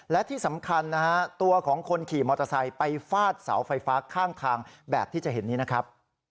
และที่สำคัญนะฮะตัวของคนขี่มอเตอร์ไซค์ไปฟาดเสาไฟฟ้าข้างทางแบบที่จะเห็นนี้นะครับ